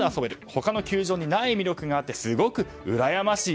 他の球場にない魅力があってすごくうらやましい。